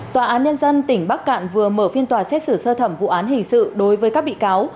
tòa án nhân dân tỉnh bắc cạn vừa mở phiên tòa xét xử sơ thẩm vụ án hình sự đối với các bị cáo